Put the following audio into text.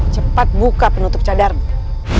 cepat buka penutup cadarnya